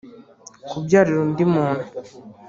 Kubyarira undi muntu